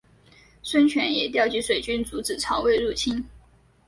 孙权也调集水军阻止曹魏入侵。